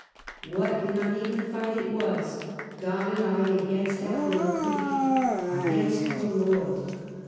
What an uneven fight it was — God and I against that little clique — against a world